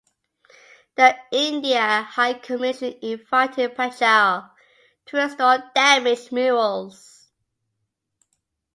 The India High Commission invited Panchal to restore damaged murals.